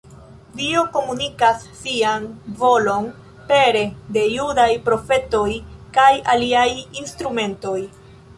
Dio komunikas sian volon pere de judaj profetoj kaj aliaj instrumentoj.